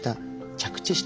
着地したと。